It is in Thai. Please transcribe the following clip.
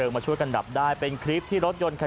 โอ้โหออกมาจากการไปซื้อของเห็นอย่างนี้ก็ตกใจสิครับ